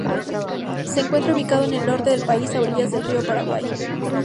Se encuentra ubicado en el norte del país a orillas del río Paraguay.